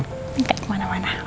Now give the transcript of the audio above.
nggak kemana mana oke